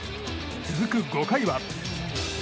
続く５回は。